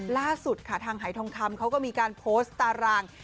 ล่าสุดค่ะทางหายทองคำเขาก็มีการโพสต์ตาราง